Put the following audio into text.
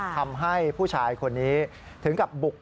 ทำให้ผู้ชายคนนี้ถึงกับบุก